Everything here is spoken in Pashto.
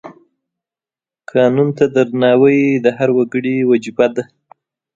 قانون ته درناوی د هر وګړي وجیبه ده.